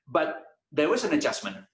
tetapi ada perbaikan